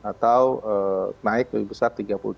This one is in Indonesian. atau naik lebih besar tiga puluh dua